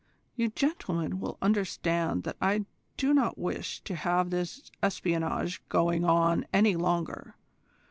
"You gentlemen will understand that I do not wish to have this espionage going on any longer.